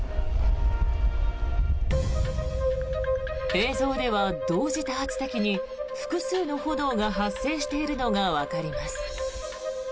映像では同時多発的に複数の炎が発生しているのがわかります。